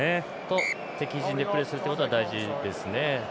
敵陣でプレーするということが大事ですね。